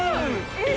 えっ？